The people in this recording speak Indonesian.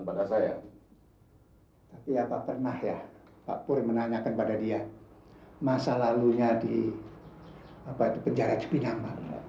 pada saya tapi apa pernah ya pakur menanyakan pada dia masa lalunya di penjara cepinang